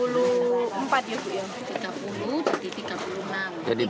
rp tiga puluh jadi rp tiga puluh enam